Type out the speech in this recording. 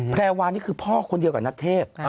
แพรวานี่คือพ่อคนเดียวกับนัทเทพ